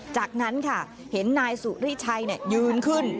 จากนั้นค่ะเห็นนายสุริชัยยืนขึ้น